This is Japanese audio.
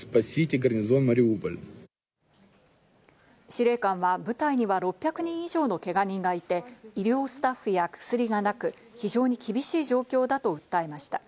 司令官は部隊には６００人以上のけが人がいて、医療スタッフや薬がなく非常に厳しい状況だと訴えました。